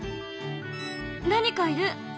何かいる！